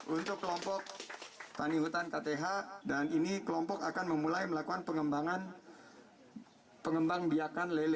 untuk kelompok tanihutan kth dan ini kelompok akan memulai melakukan pengembangan biakan lele